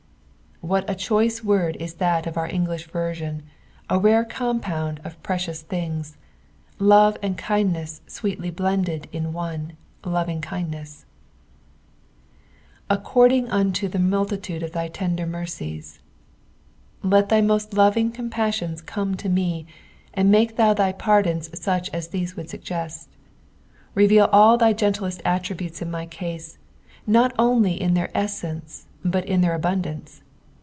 What a choice word is that of our Gtigliah version, a rare compound of precious thioKS : love and kindness sweetly blcadud in one —" lovingkindneGS." ^ A^ eordutg untc Vte multitude of thy taider mercies.'' Let thy roost loving cnmpnssionfl come to me, and make thou thy pardons f^iich as these would suggest. RcTeal all thy gentlest attributes in my case, not only in their easence but in their abundance.